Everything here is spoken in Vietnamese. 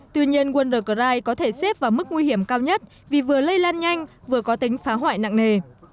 tuy nhiên wondrise có thể xếp vào mức nguy hiểm cao nhất vì vừa lây lan nhanh vừa có tính phá hoại nặng nề